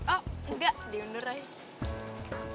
oh enggak diundur aja